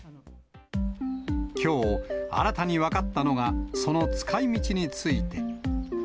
きょう、新たに分かったのが、その使いみちについて。